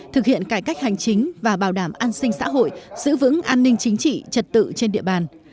thực hiện cải cách hành chính và bảo đảm an sinh xã hội giữ vững an ninh chính trị trật tự trên địa bàn